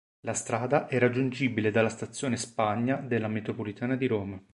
La strada è raggiungibile dalla stazione Spagna della metropolitana di Roma.